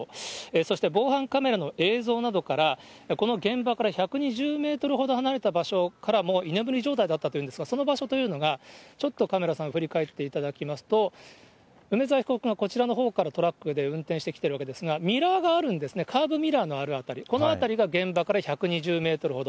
そして防犯カメラの映像などから、この現場から１２０メートルほど離れた場所からも居眠り状態だったということなんですが、その場所というのが、ちょっとカメラさん振り返っていただきますと、梅沢被告がこちらのほうからトラックで運転してきているわけですが、ミラーがあるんですね、カーブミラーがある辺り、この辺りが現場から１２０メートルほど。